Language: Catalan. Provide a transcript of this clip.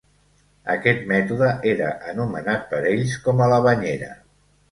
Aquest mètode era anomenat per ells com a ‘la banyera’.